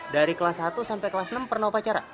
dari kelas satu sampai kelas enam pernah upacara